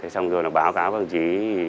xong rồi báo cáo các đồng chí